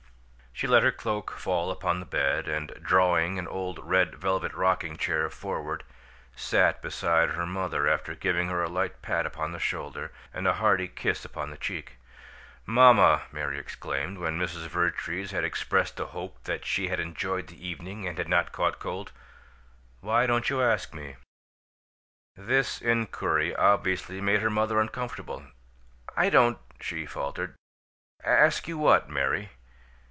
She let her cloak fall upon the bed, and, drawing an old red velvet rocking chair forward, sat beside her mother after giving her a light pat upon the shoulder and a hearty kiss upon the cheek. "Mamma!" Mary exclaimed, when Mrs. Vertrees had expressed a hope that she had enjoyed the evening and had not caught cold. "Why don't you ask me?" This inquiry obviously made her mother uncomfortable. "I don't " she faltered. "Ask you what, Mary?"